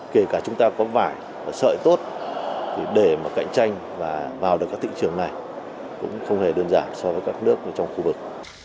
kể cả chúng ta có vải và sợi tốt thì để mà cạnh tranh và vào được các thị trường này cũng không hề đơn giản so với các nước trong khu vực